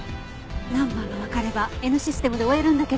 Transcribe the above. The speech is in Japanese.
ナンバーがわかればＮシステムで追えるんだけど。